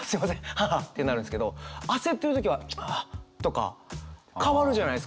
ハハ」ってなるんですけど焦ってる時は「チッああ」とか変わるじゃないですか多分。